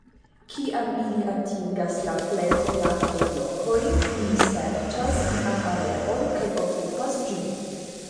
Kiam ili atingas la plej konatajn lokojn, ili serĉas sian areon kaj okupas ĝin.